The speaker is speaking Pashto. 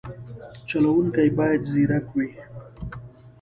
چلوونکی باید ځیرک وي.